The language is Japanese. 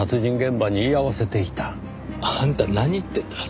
あんた何言ってるんだ？